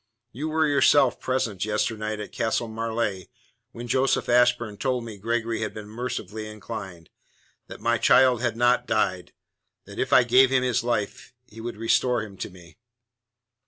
You were, yourself, present yesternight at Castle Marleigh when Joseph Ashburn told me Gregory had been mercifully inclined; that my child had not died; that if I gave him his life he would restore him to me.